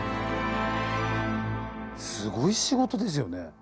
すごい仕事ですよね。